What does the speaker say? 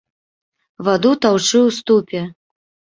Ваду таўчы ў ступе.